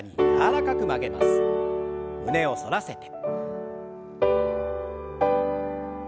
胸を反らせて。